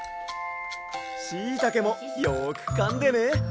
しいたけもよくかんでね。